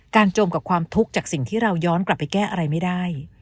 จมกับความทุกข์จากสิ่งที่เราย้อนกลับไปแก้อะไรไม่ได้